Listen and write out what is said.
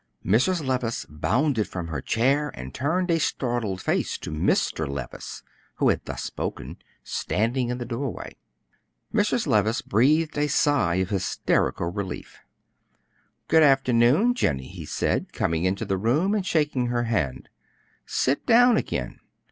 Mrs. Lewis bounded from her chair and turned a startled face to Mr. Levice, who had thus spoken, standing in the doorway. Mrs. Levice breathed a sigh of hysterical relief. "Good afternoon, Jennie," he said, coming into the room and shaking her hand; "sit down again.